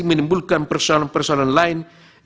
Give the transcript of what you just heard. menimbulkan persoalan persoalan lain